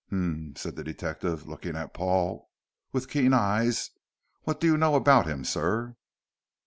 "Hum," said the detective, looking at Paul with keen eyes, "what do you know about him, sir?"